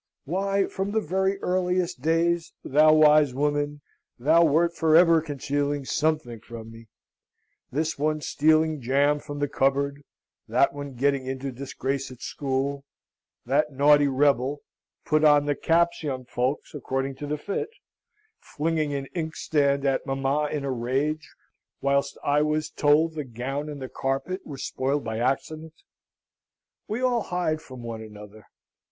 Why, from the very earliest days, thou wise woman, thou wert for ever concealing something from me, this one stealing jam from the cupboard; that one getting into disgrace at school; that naughty rebel (put on the caps, young folks, according to the fit) flinging an inkstand at mamma in a rage, whilst I was told the gown and the carpet were spoiled by accident. We all hide from one another.